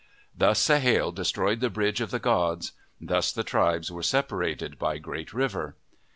Thus Sahale destroyed the bridge of the gods. Thus the tribes were separated by Great River.